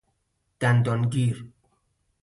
دندان گیر